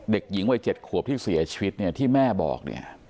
เด็กหญิงวัย๗ขวบที่เสียชีวิตที่แม่บอก